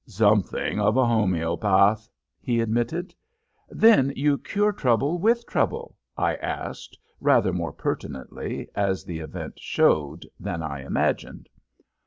"Something of a homoeopath," he admitted. "Then you cure trouble with trouble?" I asked, rather more pertinently, as the event showed, than I imagined.